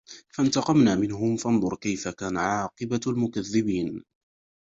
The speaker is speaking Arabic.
فَانْتَقَمْنَا مِنْهُمْ فَانْظُرْ كَيْفَ كَانَ عَاقِبَةُ الْمُكَذِّبِينَ